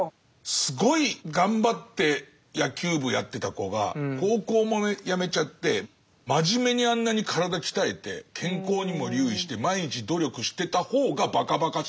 すごい頑張って野球部やってた子が高校もやめちゃって真面目にあんなに体鍛えて健康にも留意して毎日努力してた方がばかばかしいことだから。